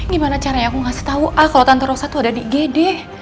gimana caranya aku gak setau a kalau tante rosa tuh ada di gd